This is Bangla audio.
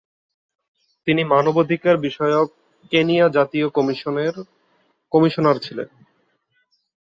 তিনি মানবাধিকার বিষয়ক কেনিয়া জাতীয় কমিশনের কমিশনার ছিলেন।